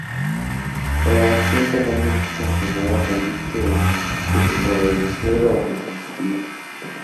La acción penalmente sancionada consiste en desobedecer o resistir.